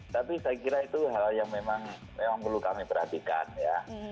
tapi saya kira itu hal hal yang memang perlu kami perhatikan ya